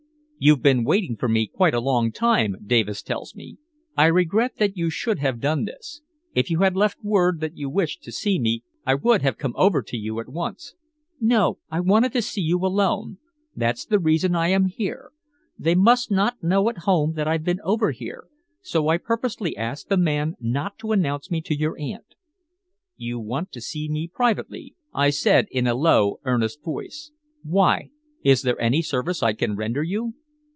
"You've been waiting for me quite a long time, Davis tells me. I regret that you should have done this. If you had left word that you wished to see me, I would have come over to you at once." "No. I wanted to see you alone that's the reason I am here. They must not know at home that I've been over here, so I purposely asked the man not to announce me to your aunt." "You want to see me privately," I said in a low, earnest voice. "Why? Is there any service I can render you?"